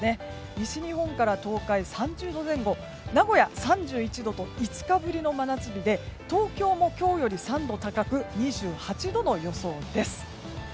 西日本から東海、３０度前後名古屋、３１度と５日ぶりの真夏日で東京も今日より３度高く２８度の予想です。